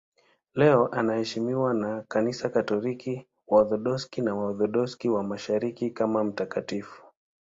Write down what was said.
Leo anaheshimiwa na Kanisa Katoliki, Waorthodoksi na Waorthodoksi wa Mashariki kama mtakatifu.